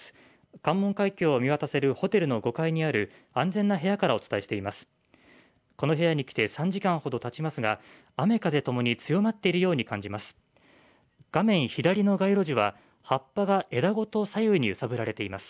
関門海峡を見渡せるホテルの５階にある安全な部屋からお伝えしています。